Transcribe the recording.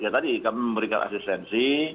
tadi kami memberikan asistensi